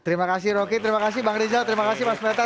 terima kasih rocky terima kasih bang rizal terima kasih mas meta